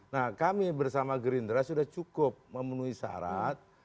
nah kami bersama gerindra sudah cukup memenuhi syarat